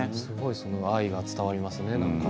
その愛が伝わりますよね。